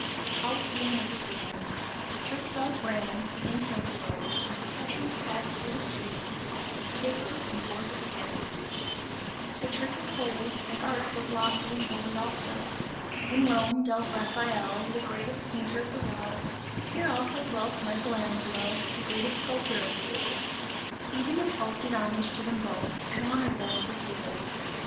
The Colosseum was a ruin; the church bells rang, the incense arose and processions passed through the streets with tapers and gorgeous canopies. The Church was holy, and art was lofty and holy also. In Rome dwelt Raphael, the greatest painter of the world, here also dwelt Michael Angelo, the greatest sculptor of the age; even the Pope did homage to them both, and honoured them with his visits.